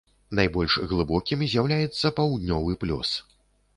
Найбольш глыбокім з'яўляецца паўднёвы плёс.